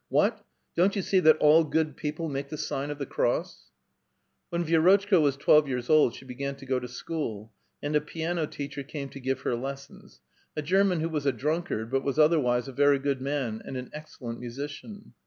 What ! don't you see that all good people make the sign of the cross ?" When Vi^rotchka was twelve years old she began to go to school, and a piano teacher came to give her lessons, a Ger man who was a drunkard, but was otherwise a very good man and an excellent musician.